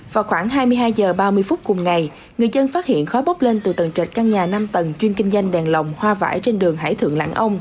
vào khoảng hai mươi hai h ba mươi phút cùng ngày người dân phát hiện khói bốc lên từ tầng trệt căn nhà năm tầng chuyên kinh doanh đèn lồng hoa vải trên đường hải thượng lãng ông